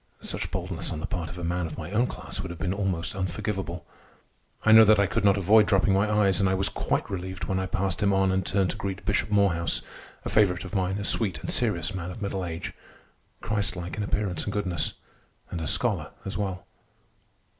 Such boldness on the part of a man of my own class would have been almost unforgivable. I know that I could not avoid dropping my eyes, and I was quite relieved when I passed him on and turned to greet Bishop Morehouse—a favorite of mine, a sweet and serious man of middle age, Christ like in appearance and goodness, and a scholar as well.